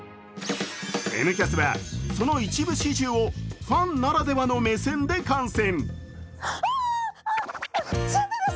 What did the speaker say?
「Ｎキャス」はその一部始終をファンならではの目線で観戦。